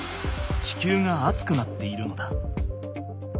地球が暑くなっているのだ。